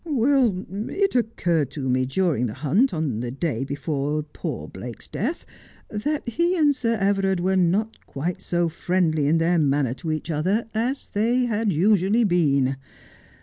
' It occurred to me during the hunt on the day before poor Blake's death that he and Sir Everard were not quite so friendly in their manner to each other as they had usually been.